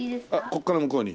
ここから向こうに？